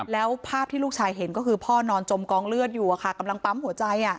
แล้วภาพที่ลูกชายเห็นก็คือพ่อนอนจมกองเลือดอยู่กำลังปั๊มหัวใจ